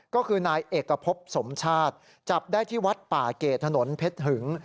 ก็คือนายเอกพบสมชาติจับได้ที่วัดป่าเกรดถนนเพชรหึง